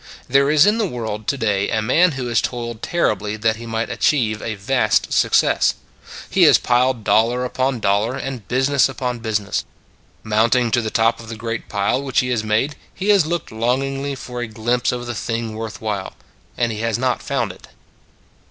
There is in the world to day a man who has toiled terribly that he might achieve a vast success. He has piled dollar upon dollar and business upon business. Mounting to the top of the great pile which he has made, he has looked longingly for a glimpse of the thing worth while; and he has not found it.